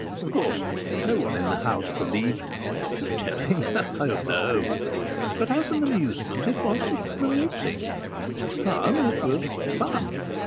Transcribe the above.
Of course no one in the house believed in fortune telling. Oh no! But as an amusement it was amusing. As fun, it was fun.